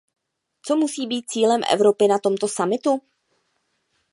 Co musí být cílem Evropy na tomto summitu?